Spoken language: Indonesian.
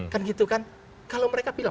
kan gitu kan kalau mereka bilang